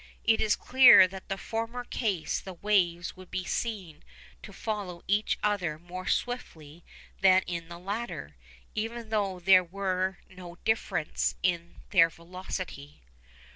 It is clear that in the former case the waves would seem to follow each other more swiftly than in the latter, even though there were no difference in their velocity.